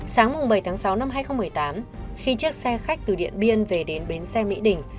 sáng bảy tháng sáu năm hai nghìn một mươi tám khi chiếc xe khách từ điện biên về đến bến xe mỹ đình